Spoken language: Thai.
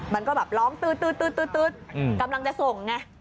มันก็แบบร้องตื๊ดกำลังจะส่งไง